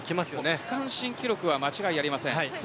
区間新記録は間違いありません。